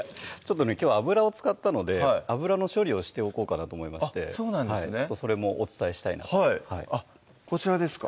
きょうは油を使ったので油の処理をしておこうかなと思いましてそれもお伝えしたいなとはいこちらですか？